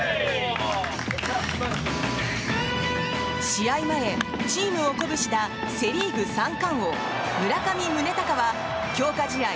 試合前、チームを鼓舞したセ・リーグ三冠王、村上宗隆は強化試合